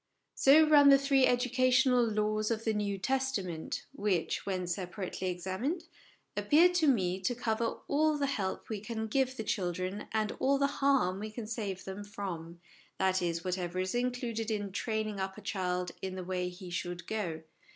So run the three educational laws of the New Testament, which, when separately examined, appear to me to cover all the help we can give the children and all the harm we can save them from that is, whatever is included in training up a child in the way he should go.